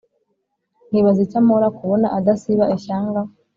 nkibaza icyo ampora, kubona adasiba ishyanga